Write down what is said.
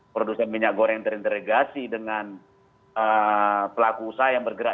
produsen minyak goreng terinteragasi dengan pelaku usaha yang bergerak